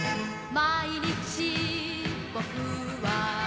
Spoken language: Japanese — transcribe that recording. まいにちぼくは